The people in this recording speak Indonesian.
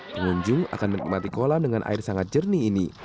pengunjung akan menikmati kolam dengan air sangat jernih ini